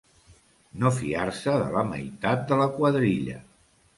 No fiar-se de la meitat de la quadrilla.